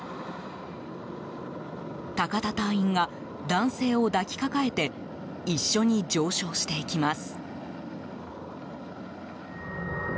高田隊員が男性を抱きかかえて一緒に上昇していきます。